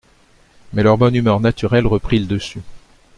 Mais leur bonne humeur naturelle reprit le dessus.